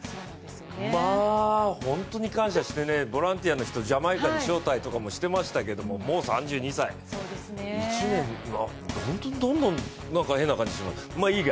まあホントに感謝してボランティアの人ジャマイカに招待したりしてましたけどもう３２歳、１年本当にどんどん、なんか変な感じがします。